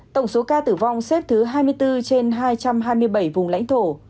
tổng số ca tử vong xếp thứ hai mươi bốn trên hai trăm hai mươi bảy vùng lãnh thổ